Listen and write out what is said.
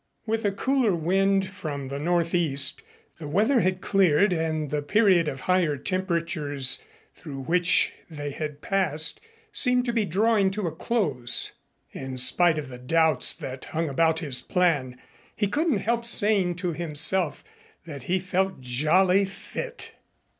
With a cooler wind from the northeast the weather had cleared and the period of higher temperatures through which they had passed seemed to be drawing to a close. In spite of the doubts that hung about his plan, he couldn't help saying to himself that he felt jolly fit.